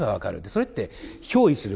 それって憑依する。